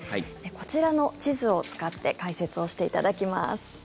こちらの地図を使って解説をしていただきます。